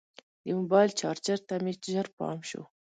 د موبایل چارجر ته مې ژر پام شو.